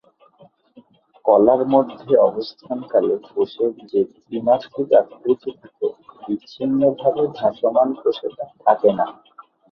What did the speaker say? কলার মধ্যে অবস্থান কালে কোষের জে ত্রিমাত্রিক আকৃতি থাকে, বিচ্ছিন্ন ভাবে ভাসমান কোষে তা থাকে না।